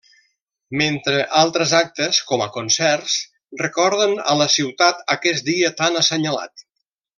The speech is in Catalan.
Mentre altres actes, com a concerts, recorden a la ciutat aquest dia tan assenyalat.